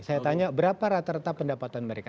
saya tanya berapa rata rata pendapatan mereka